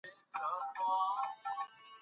په بل لیک کې یې د انګلیسانو هدف وپوښت.